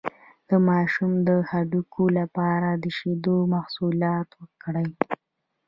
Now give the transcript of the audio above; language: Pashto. د ماشوم د هډوکو لپاره د شیدو محصولات ورکړئ